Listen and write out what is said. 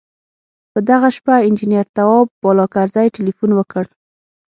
په دغه شپه انجنیر تواب بالاکرزی تیلفون وکړ.